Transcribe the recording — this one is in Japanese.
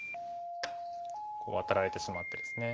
こうワタられてしまってですね。